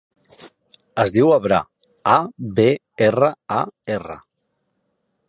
Es diu Abrar: a, be, erra, a, erra.